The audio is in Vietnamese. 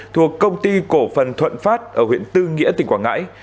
thuộc công ty cổ phần thuận phát ở huyện tư nghĩa tỉnh quảng ngãi